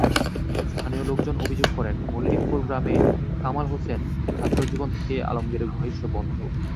স্থানীয় লোকজন অভিযোগ করেন, মল্লিকপুর গ্রামের কামাল হোসেন ছাত্রজীবন থেকেই আলমগীরের ঘনিষ্ঠ বন্ধু।